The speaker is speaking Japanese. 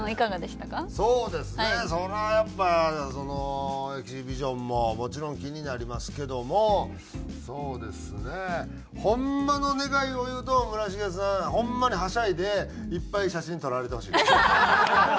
それはやっぱそのエキシビションももちろん気になりますけどもそうですねホンマの願いを言うと村重さんホンマにはしゃいでいっぱい写真撮られてほしい。